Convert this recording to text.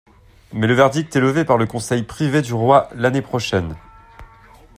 Mais le verdict est levé par le Conseil Privé du Roi l'année prochaine.